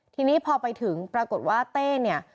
ทีนี้พอไปถึงปรากฏว่าเต้เนี่ย